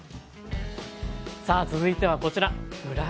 さあ続いてはこちら。